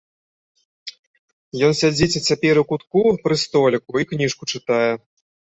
Ён сядзіць цяпер у кутку пры століку і кніжку чытае.